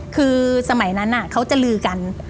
คือสมัยนั้นเขาจะลือกัน